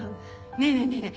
ねえねえねえねえ